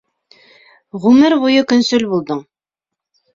Ғүмер буйы көнсөл булдың!